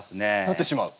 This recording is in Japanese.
なってしまう。